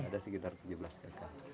ada sekitar tujuh belas kakak